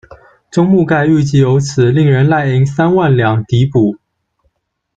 宗沐盖预计有此，令人赉银三万两籴补。